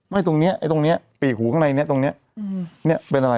ไม่ตรงนี้ตรงนี้ปีกหูในอันนี้เป็นอะไร